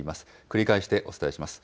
繰り返してお伝えします。